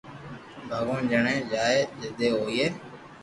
ڀگوان جڻي چائي جدي ھوئي